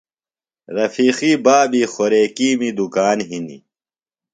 رفیقی بابی خوریکِیمی دُکان ہِنیۡ۔